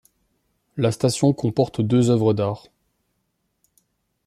La station comporte deux œuvres d'art.